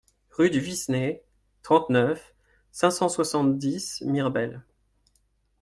Rue du Viseney, trente-neuf, cinq cent soixante-dix Mirebel